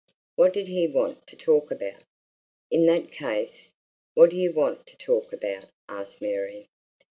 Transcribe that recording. "What did he want to talk about?" "In that case, what do you want to talk about?" asked Mary.